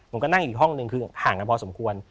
ผมก็นั่งอีกห้องนึงคือห่างกันพอสมควร